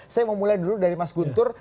saya mau mulai dulu dari mas guntur